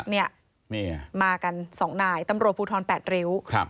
เนี้ยนี่มากันสองนายตำรวจภูทรแปดเรวครับ